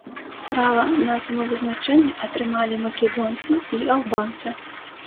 Права на самавызначэнне атрымалі македонцы і албанцы.